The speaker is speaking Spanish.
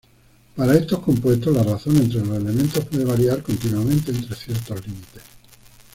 Para estos compuestos, la razón entre los elementos puede variar continuamente entre ciertos límites.